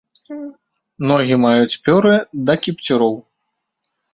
Ногі маюць пёры да кіпцюроў.